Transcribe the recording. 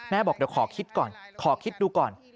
บอกเดี๋ยวขอคิดก่อนขอคิดดูก่อน